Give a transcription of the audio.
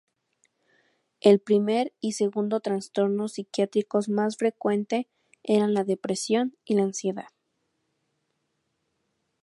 El primer y segundo trastornos psiquiátricos más frecuente eran la depresión y la ansiedad.